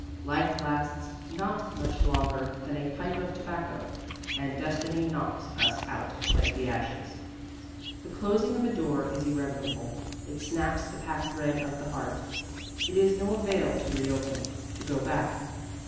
Life lasts not much longer than a pipe of tobacco, and destiny knocks us out like the ashes. The closing of a door is irrevocable. It snaps the packthread of the heart. It is no avail to reopen, to go back.